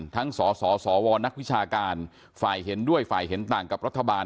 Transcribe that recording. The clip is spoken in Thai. สสวนักวิชาการฝ่ายเห็นด้วยฝ่ายเห็นต่างกับรัฐบาล